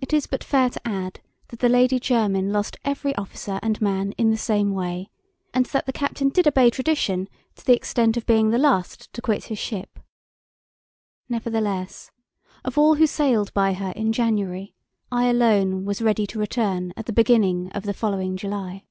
It is but fair to add that the Lady Jermyn lost every officer and man in the same way, and that the captain did obey tradition to the extent of being the last to quit his ship. Nevertheless, of all who sailed by her in January, I alone was ready to return at the beginning of the following July.